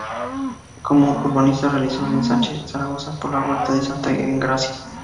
Como urbanista realizó el ensanche de Zaragoza por la Huerta de Santa Engracia.